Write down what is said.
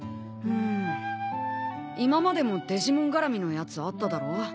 ん今までもデジモン絡みのやつあっただろ？